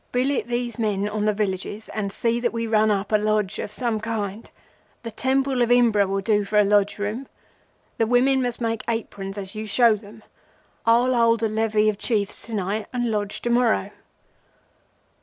Billet these men on the villages and see that we run up a Lodge of some kind. The temple of Imbra will do for the Lodge room. The women must make aprons as you show them. I'll hold a levee of Chiefs tonight and Lodge to morrow.